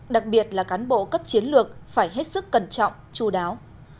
đặc biệt là cán bộ cấp chiến lược phải hết sức cẩn trọng chú đáo